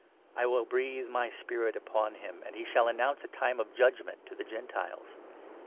I will breathe my spirit upon him, And he shall announce a time of judgement to the Gentiles.